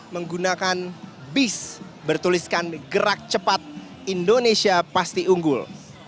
menggunakan bis bertuliskan gerak cepat indonesia pasti unggul